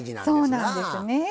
そうなんですよね。